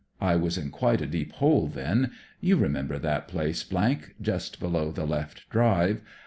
I was in quite a deep hole then. You remember that place, , just below the left drive.